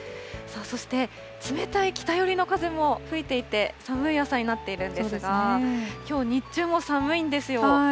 さあそして、冷たい北寄りの風も吹いていて、寒い朝になっているんですが、きょう日中も寒いんですよ。